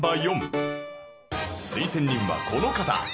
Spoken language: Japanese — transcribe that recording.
推薦人はこの方